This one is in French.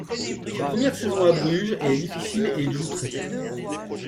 Sa première saison à Bruges est difficile et il joue très peu.